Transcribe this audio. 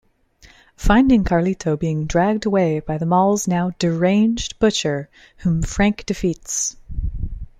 Finding Carlito being dragged away by the mall's now deranged butcher, whom Frank defeats.